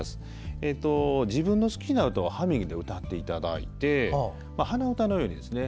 自分の好きな歌をハミングで歌っていただいて鼻歌のようにですね